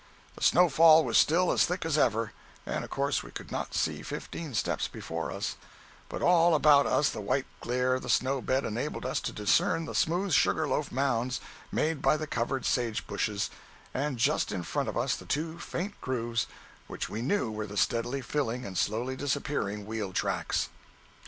The snowfall was still as thick as ever, and of course we could not see fifteen steps before us; but all about us the white glare of the snow bed enabled us to discern the smooth sugar loaf mounds made by the covered sage bushes, and just in front of us the two faint grooves which we knew were the steadily filling and slowly disappearing wheel tracks.